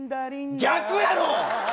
逆やろ。